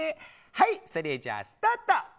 それじゃあスタート。